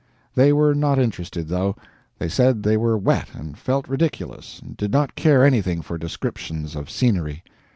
They were not interested, though. They said they were wet and felt ridiculous and did not care anything for descriptions of scenery.